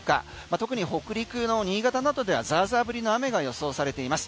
特に北陸の新潟などではザーザー降りの雨が予想されています。